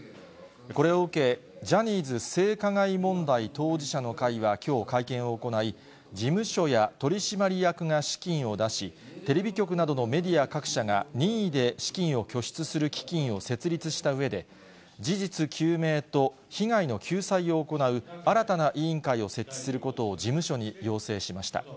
これを受け、ジャニーズ性加害問題当事者の会はきょう会見を行い、事務所や取締役が資金を出し、テレビ局などのメディア各社が、任意で資金を拠出する基金を設立したうえで、事実究明と被害の救済を行う新たな委員会を設置することを事務所に要請しました。